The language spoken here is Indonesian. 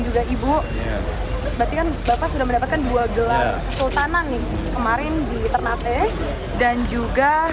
juga ibu berarti kan bapak sudah mendapatkan dua gelar kesultanan nih kemarin di ternate dan juga